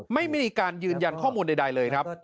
ไม่มีการยืนยันข้อมูลใดเลยครับ